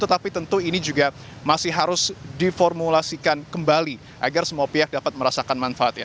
tetapi tentu ini juga masih harus diformulasikan kembali agar semua pihak dapat merasakan manfaatnya